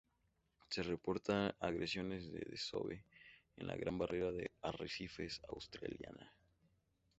Se reportan agregaciones de desove en la Gran Barrera de Arrecifes australiana.